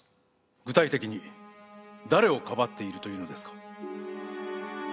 具体的に誰をかばっているというのですか？